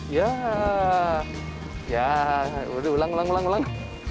ya ya udah ulang ulang ulang